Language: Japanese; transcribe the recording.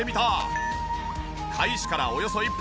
開始からおよそ１分。